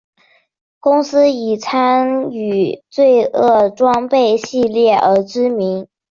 公司以参与罪恶装备系列而知名。